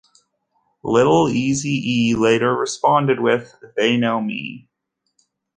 Lil' Eazy-E later responded with "They Know Me".